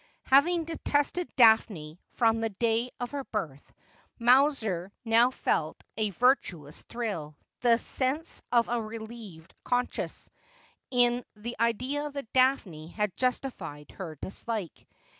Having detested Daphne from the day of her birth, Mowser now felt a virtuous thrill, the sense of a relieved conscience, in the idea that Daphne had justified her dislike.